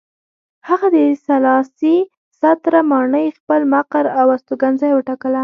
هغه د سلاسي ستره ماڼۍ خپل مقر او استوګنځی وټاکله.